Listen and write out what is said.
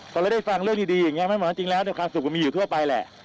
พอเราได้ฟังเรื่องดีอย่างนี้ไม่เหมือนจริงแล้วความสุขก็มีอยู่ทั่วไปแหละ